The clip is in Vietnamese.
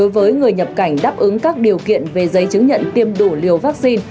với người nhập cảnh đáp ứng các điều kiện về giấy chứng nhận tiêm đủ liều vaccine